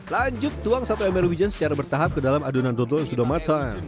lanjut tuang satu ember wijen secara bertahap ke dalam adonan dodol yang sudah matang